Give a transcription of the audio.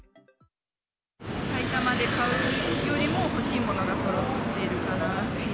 埼玉で買うよりも、欲しいものがそろってるかなっていう。